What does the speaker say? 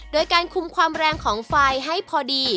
โดยการคุมความแรงของไฟให้พอดี